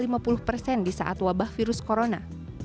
di saat wabah virus corona